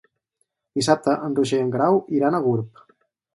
Dissabte en Roger i en Guerau iran a Gurb.